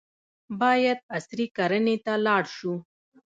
باید عصري کرنې ته لاړ شو.